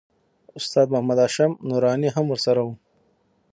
استاد محمد هاشم نوراني هم ورسره و.